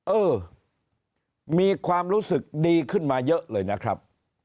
เออมีความรู้สึกดีขึ้นมาเยอะเลยนะครับ